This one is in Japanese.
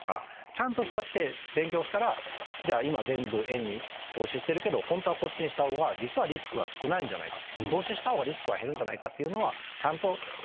ちゃんとそうやって勉強したら今全部円に投資してるけど本当はこっちにした方が実はリスクが少ないんじゃないか。